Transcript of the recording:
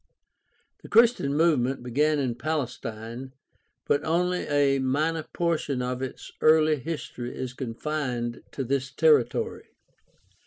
— The Christian move ment began in Palestine, but only a minor portion of its early history is confined ^to this territory.